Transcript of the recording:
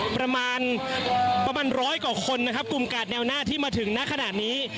ประมาณประมาณร้อยกว่าคนนะครับกลุ่มกาดแนวหน้าที่มาถึงณขนาดนี้